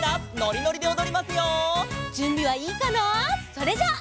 それじゃあ。